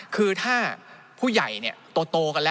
คือถ้าผู้ใหญ่โตกันแล้ว